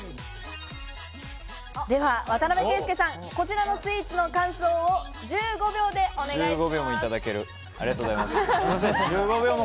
では渡邊圭祐さん、こちらのスイーツの感想を１５秒でお願いします。